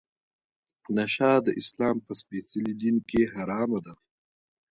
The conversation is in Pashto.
نشه د اسلام په سپیڅلي دین کې حرامه ده.